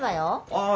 ああ！